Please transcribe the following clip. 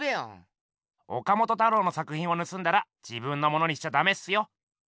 岡本太郎の作品をぬすんだら自分のものにしちゃダメっすよ。